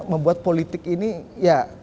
membuat politik ini ya